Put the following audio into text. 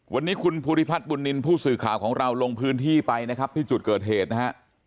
วันนี้คุณภูริพัฒน์บุญนินทร์ผู้สื่อข่าวของเราลงพื้นที่ไปนะครับที่จุดเกิดเหตุนะฮะ